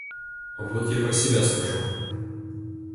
Вот я про себя скажу.